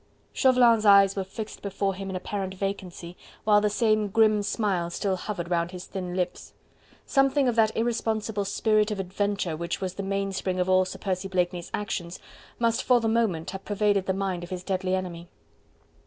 Chauvelin's eyes were fixed before him in apparent vacancy, while the same grim smile still hovered round his thin lips. Something of that irresponsible spirit of adventure which was the mainspring of all Sir Percy Blakeney's actions, must for the moment have pervaded the mind of his deadly enemy.